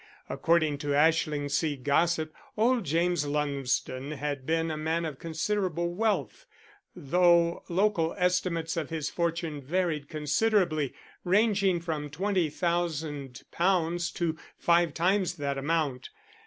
According to Ashlingsea gossip, old James Lumsden had been a man of considerable wealth: though local estimates of his fortune varied considerably, ranging from £20,000 to five times that amount.